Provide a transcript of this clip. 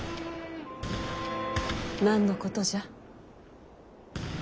何のことじゃ？